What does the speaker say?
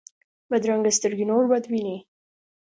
بدرنګه سترګې نور بد ویني